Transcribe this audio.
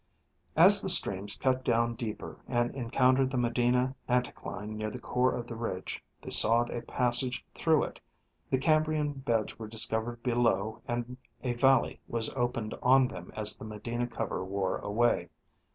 As the streams cut down deeper and encountered the Medina anti cline near the core of the ridge, they sawed a passage through it ; the Cambrian beds were discovei ed below and a valley was opened on them as the Medina cover wore away.